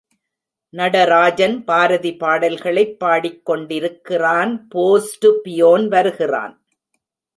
நடராஜன் பாரதி பாடல்களைப் பாடிக்கொண்டிருக்கின்றான், post peon வருகிறான்.